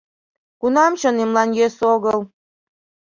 Кунам чонемлан йӧсӧ огыл?